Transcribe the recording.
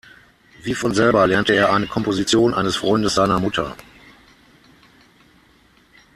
Wie von selber lernte er eine Komposition eines Freundes seiner Mutter.